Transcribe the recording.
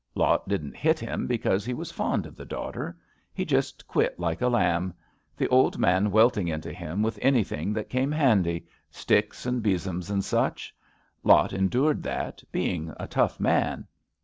Lot didn't hit him because he was fond of the daughter. He just quit like a lamb; the old man welting into him with anything that came handy — sticks and besoms, and such. Lot endured that, being a tough man.